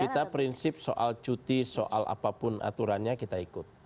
kita prinsip soal cuti soal apapun aturannya kita ikut